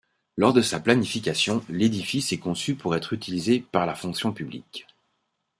Lors de sa planification, l'édifice est conçu pour être utilisé par la fonction publique.